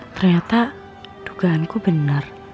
ternyata dugaanku benar